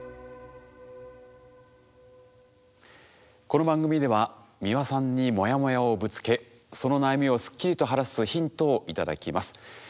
この番組では美輪さんにモヤモヤをぶつけその悩みをすっきりと晴らすヒントを頂きます。